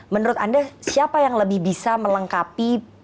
menurut anda siapa yang lebih bisa melengkapi